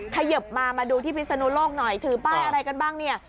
เขยิบมามาดูที่พิศนุโลกหน่อยถือป้ายอะไรกันบ้างเนี่ย